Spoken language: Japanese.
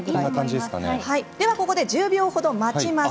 ではここで１０秒ほど待ちます。